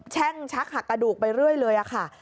แช่งชักหักกระดูกไปเรื่อยเลยค่ะ